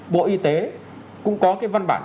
bộ y tế cũng có cái văn bản